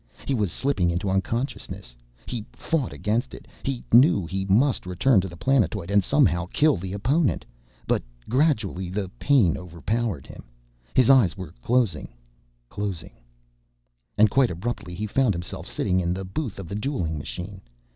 He was slipping into unconsciousness. He fought against it. He knew he must return to the planetoid and somehow kill the opponent. But gradually the pain overpowered him. His eyes were closing, closing— And, quite abruptly, he found himself sitting in the booth of the dueling machine.